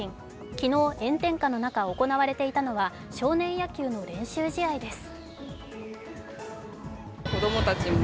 昨日、炎天下の中行われていたのは少年野球の練習試合です。